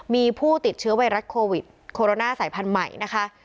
มีผู้ติดเชื้อไวรัสโควิดโคโรนาสายพันธุ์ใหม่นะคะ